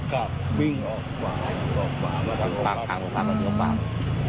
เขาก็ยังไม่แน่ใจว่าเลี้ยวซอยไหนอะไรอย่างนี้